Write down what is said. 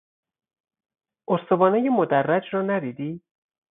استوانه مدرّج را ندیدی؟